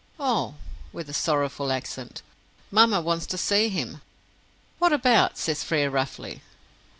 "Oh!" with a sorrowful accent. "Mamma wants to see him." "What about?" says Frere roughly.